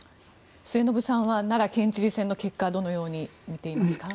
末延さんは奈良県知事選の結果をどう見ていますか。